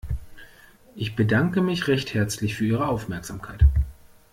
Ich bedanke mich recht herzlich für Ihre Aufmerksamkeit.